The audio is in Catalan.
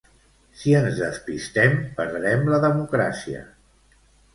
Si ens despistem, perdre'm la democràcia.